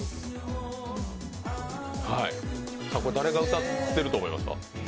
これ、誰が歌ってると思いますか？